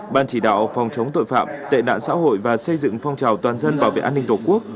ban chỉ đạo phòng chống tội phạm tệ nạn xã hội và xây dựng phong trào toàn dân bảo vệ an ninh tổ quốc